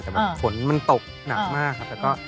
แต่แบบฝนมันตกหนักมากครับแล้วก็